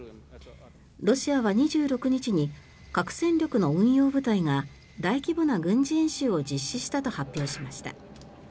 ロシアは２６日に核戦力の運用部隊が大規模な軍事演習を実施したと発表しました。